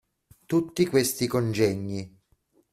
Tutti questi congegni.